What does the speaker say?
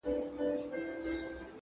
o لنده ژبه هري خوا ته اوړي٫